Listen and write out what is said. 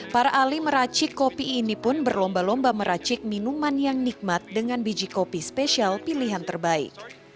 para ali meracik kopi ini pun berlomba lomba meracik minuman yang nikmat dengan biji kopi spesial pilihan terbaik